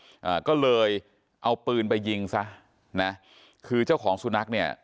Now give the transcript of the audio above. อ่าก็เลยเอาปืนไปยิงซะนะคือเจ้าของสุนัขเนี่ย